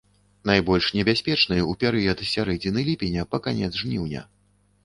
Найбольш небяспечны ў перыяд з сярэдзіны ліпеня па канец жніўня.